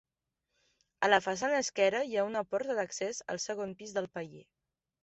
A la façana esquerra hi ha una porta d'accés al segon pis del paller.